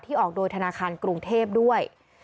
ออกโดยธนาคารกรุงเทพด้วย